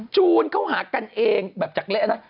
จูนเขาหากันเองแบบจากเละนะ